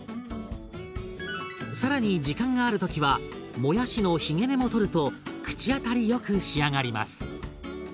更に時間がある時はもやしのひげ根も取ると口当たりよく仕上がります。